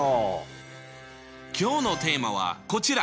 今日のテーマはこちら！